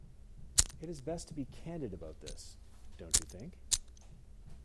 It is best to be candid about this, don't you think?